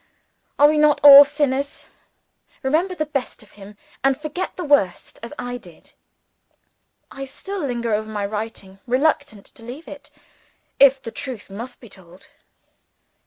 Are we not all sinners? Remember the best of him, and forget the worst, as I do. I still linger over my writing reluctant to leave it, if the truth must be told.